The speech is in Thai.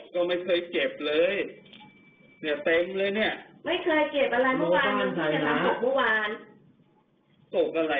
มันไม่จัดส่อนบอสน่ะ